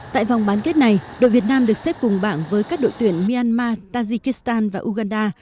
tại vòng bán kết này đội việt nam được xếp cùng bảng với các đội tuyển myanmar tajikistan và uganda